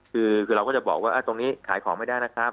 คือเราก็จะบอกว่าตรงนี้ขายของไม่ได้นะครับ